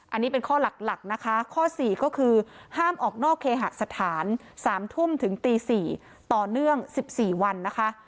อันนี้เป็นข้อหลักนะคะข้อ๔ก็คือห้ามออกนอกเคหสถาน๓ทุ่มถึงตี๔ต่อเนื่อง๑๔วันนะคะ